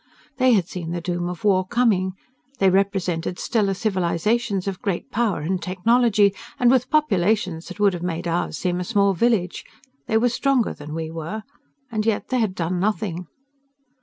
They had seen the doom of war coming. They represented stellar civilizations of great power and technology, and with populations that would have made ours seem a small village; they were stronger than we were, and yet they had done nothing.